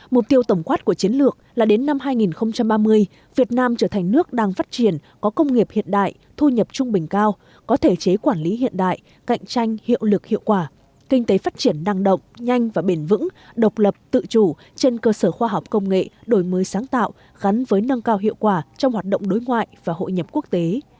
mục tiêu tổng quát của chiến lược là đến năm hai nghìn ba mươi việt nam trở thành nước đang phát triển có công nghiệp hiện đại thu nhập trung bình cao có thể chế quản lý hiện đại cạnh tranh hiệu lực hiệu quả kinh tế phát triển năng động nhanh và bền vững độc lập tự chủ trên cơ sở khoa học công nghệ đổi mới sáng tạo gắn với nâng cao hiệu quả trong hoạt động đối ngoại và hội nhập quốc tế